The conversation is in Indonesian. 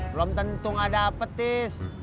belom tentu gak dapet tis